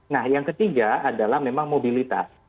nah yang ketiga adalah memang mobilitas